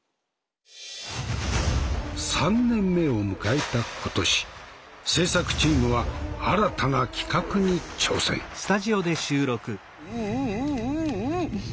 ３年目を迎えた今年制作チームは「また悪事の相談か。